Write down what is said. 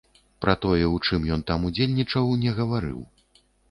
Пра тое, у чым ён там удзельнічаў, не гаварыў.